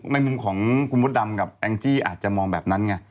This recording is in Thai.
ในมุมของคุณมดดำกับแองจี้อาจจะมองแบบนั้นไง